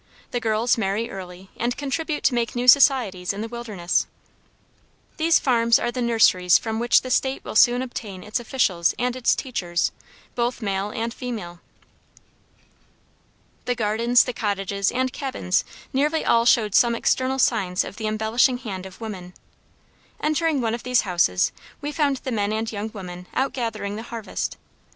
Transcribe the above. The girls marry early, and contribute to make new societies in the wilderness. These farms are the nurseries from which the State will soon obtain its officials and its teachers, both male and female. The gardens, the cottages, and cabins nearly all showed some external signs of the embellishing hand of woman. Entering one of these houses, we found the men and young women out gathering the harvest.